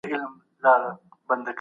د بهرنیو اړیکو مدیریت کي کمزورۍ نه سته.